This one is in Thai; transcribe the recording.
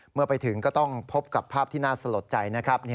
เมื่อไปถึงก็ต้องพบกับภาพที่น่าสลดใจนะครับ